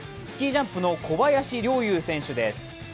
スキージャンプの小林陵侑選手です。